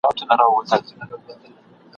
څه بې مالکه افغانستان دی ..